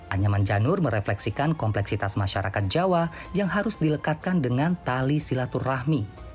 anyaman janur merefleksikan kompleksitas masyarakat jawa yang harus dilekatkan dengan tali silaturahmi